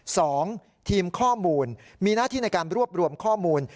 สองทีมข้อมูลมีหน้าที่ในการรวบรวมข้อมูล